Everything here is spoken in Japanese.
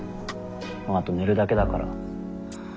もうあと寝るだけだから。